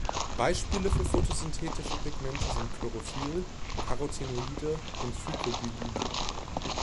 Beispiele für photosynthetische Pigmente sind Chlorophyl, Carotenoide und Phycobiline.